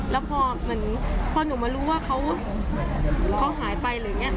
แล้วพอเหมือนพอหนูมารู้ว่าเขาหายไปหรืออย่างนี้